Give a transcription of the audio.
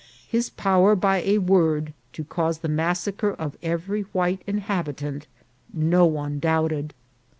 His power by a word to cause the massacre of every white inhabitant, no one doubted.